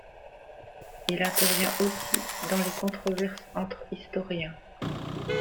Il intervient aussi dans les controverses entre historiens.